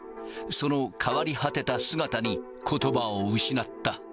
その変わり果てた姿に、ことばを失った。